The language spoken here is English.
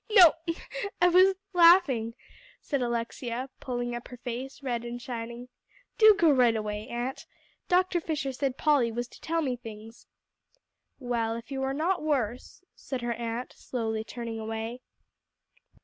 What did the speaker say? "No, I was laughing," said Alexia, pulling up her face red and shining. "Do go right away, aunt. Dr. Fisher said Polly was to tell me things." "Well, if you are not worse," said her aunt, slowly turning away.